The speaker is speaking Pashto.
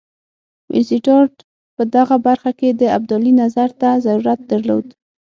وینسیټارټ په دغه برخه کې د ابدالي نظر ته ضرورت درلود.